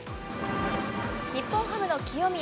日本ハムの清宮。